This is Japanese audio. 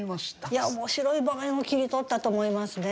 いや面白い場面を切り取ったと思いますね。